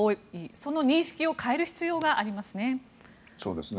その認識を変える必要がありますね。